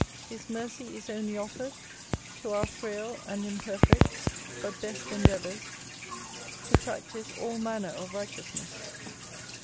His mercy is only offered to our frail and imperfect, but best endeavours, to practice all manner of righteousness.